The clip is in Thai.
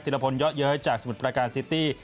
ละพลเยอะเย้ยจากสมุทรประการซิตี้